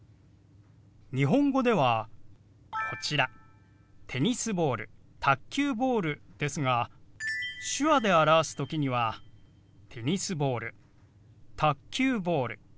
日本語ではこちら「テニスボール」「卓球ボール」ですが手話で表す時には「テニスボール」「卓球ボール」。